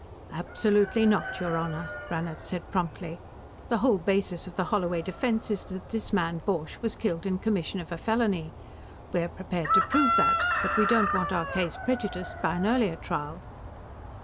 "Absolutely not, your Honor," Brannhard said promptly. "The whole basis of the Holloway defense is that this man Borch was killed in commission of a felony. We're prepared to prove that, but we don't want our case prejudiced by an earlier trial."